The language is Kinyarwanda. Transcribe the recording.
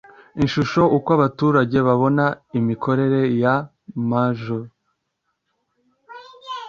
ishusho uko abaturage babona imikorere ya maj